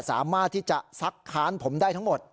สามารถที่จะซักค้านผมได้ทั้งหมด